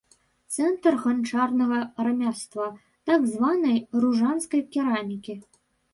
Цэнтр ганчарнага рамяства, так званай ружанскай керамікі.